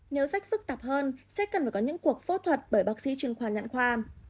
nếu sách phức tạp hơn sách cần phải có những cuộc phô thuật bởi bác sĩ chuyên khoa nhãn khoa